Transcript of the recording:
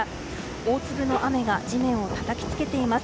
大粒の雨が地面をたたきつけています。